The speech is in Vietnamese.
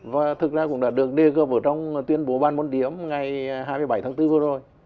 và thực ra cũng đã được đề cơ trong tuyên bố ban môn điểm ngày hai mươi bảy tháng bốn vừa rồi